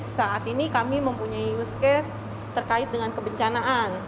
saat ini kami mempunyai use case terkait dengan kebencanaan